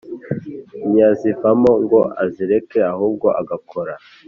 ntiyazivamo ngo azireke ahubwo agakora